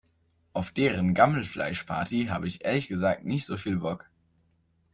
Auf deren Gammelfleischparty habe ich ehrlich gesagt nicht so viel Bock.